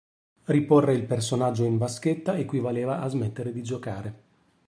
Riporre il personaggio in vaschetta equivaleva a smettere di giocare.